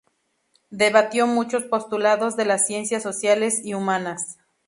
Debatió muchos postulados de las ciencias sociales y humanas.